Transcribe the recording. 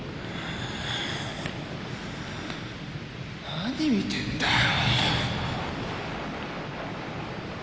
なに見てんだよ